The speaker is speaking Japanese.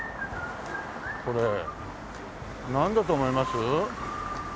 これなんだと思います？